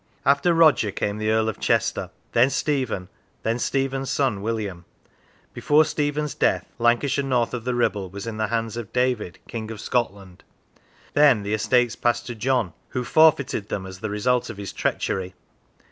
After Roger came the Earl of Chester; then Stephen; then Stephen's son William. Before Stephen's death Lancashire north of the Kibble was in the hands of David, King of Scotland. Then the estates passed to John, who forfeited them as the result of his treachery.